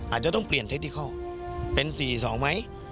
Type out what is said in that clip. อาจจะต้องเปลี่ยนวิธีการเล่นเป็นสี่สองไหม